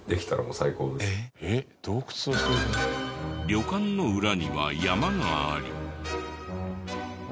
旅館の裏には山があり。